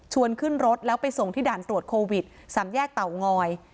ขึ้นรถแล้วไปส่งที่ด่านตรวจโควิดสามแยกเตางอย